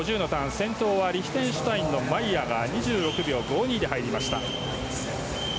先頭はリヒテンシュタインの選手が２６秒５２で入りました。